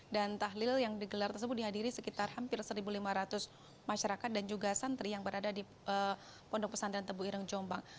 dan tahlil yang digelar tersebut dihadiri sekitar hampir satu lima ratus masyarakat dan juga santri yang berada di pondok pesantren tebu ireng jombang